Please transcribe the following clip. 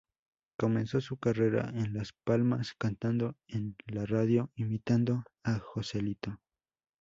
Comenzó su carrera en Las Palmas, cantando en la radio, imitando a Joselito.